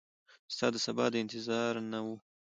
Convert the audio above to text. ستا دسبا د انتظار نه وه